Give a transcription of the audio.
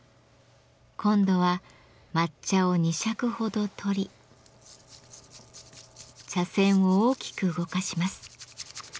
今度は抹茶を２しゃくほど取り茶せんを大きく動かします。